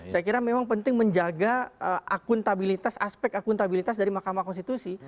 saya kira memang penting menjaga akuntabilitas aspek akuntabilitas dari mahkamah konstitusi